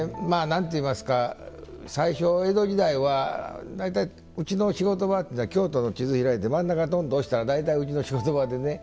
最初、江戸時代は大体うちの仕事場というのは京都の地図を開いて真ん中をとんと押したら大体うちの仕事場でね。